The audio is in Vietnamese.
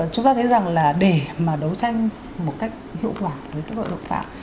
chúng ta thấy rằng là để mà đấu tranh một cách hiệu quả với các loại tội phạm